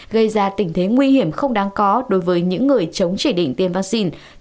gây ra tình thế nguy hiểm không đáng có đối với những người chống chỉ định tiêm vaccine